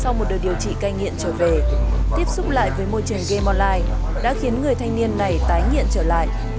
sau một đời điều trị cay nghiện trở về tiếp xúc lại với môi trường game online đã khiến người thanh niên này tái nghiện trở lại